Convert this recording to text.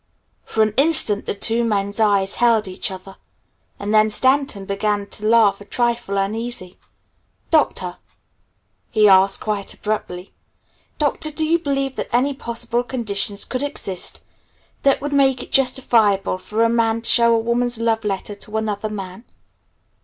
For an instant the two men's eyes held each other, and then Stanton began to laugh a trifle uneasily. "Doctor," he asked quite abruptly, "Doctor, do you believe that any possible conditions could exist that would make it justifiable for a man to show a woman's love letter to another man?"